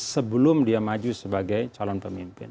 sebelum dia maju sebagai calon pemimpin